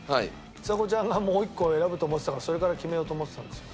ちさ子ちゃんがもう一個選ぶと思ってたからそれから決めようと思ってたんですよ。